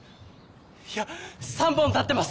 いや３本立ってます！